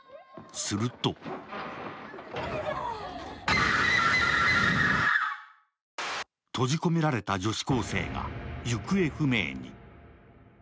すると閉じ込められた女子高生が行方不明に。